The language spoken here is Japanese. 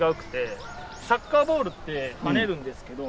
サッカーボールって跳ねるんですけど。